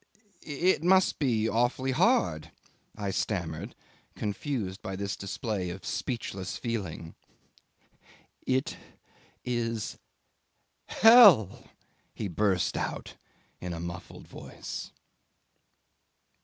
"It must be awfully hard," I stammered, confused by this display of speechless feeling. "It is hell," he burst out in a muffled voice.